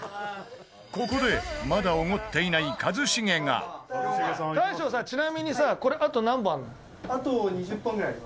ここでまだおごっていない一茂が大将さ、ちなみにさこれ、あと何本あるの？